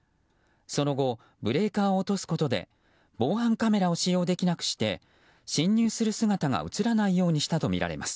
その後ブレーカーを落とすことで防犯カメラを使用できなくして侵入する姿が映らないようにしたとみられます。